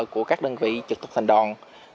của các đơn vị trực tục thành đòn